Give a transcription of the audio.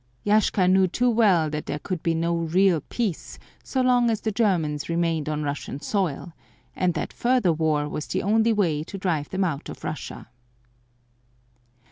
Yashka knew too well that there could be no real peace so long as the Germans remained on Russian soil; and that further war was the only way to drive them out of Russia.